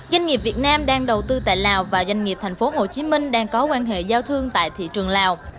doanh nghiệp việt nam đang đầu tư tại lào và doanh nghiệp tp hcm đang có quan hệ giao thương tại thị trường lào